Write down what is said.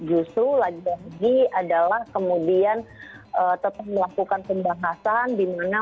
justru lagi lagi adalah kemudian tetap melakukan pembahasan di mana